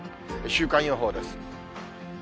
週間予報です。